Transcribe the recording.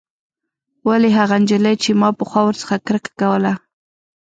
ولې هغه نجلۍ چې ما پخوا ورڅخه کرکه کوله.